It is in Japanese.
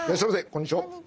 こんにちは。